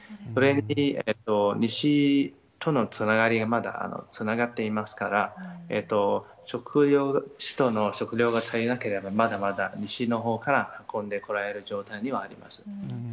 それに、西とのつながりがまだつながっていますから、首都の食料が足りなければ、まだまだ西のほうから運んで来られる状態にはあります。